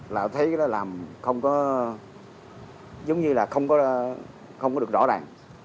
là thấy cái đó làm không có giống như là không có được rõ ràng